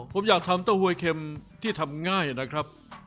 ผมอยากทำเต้าหวยเข็มที่ทำง่ายนะครับ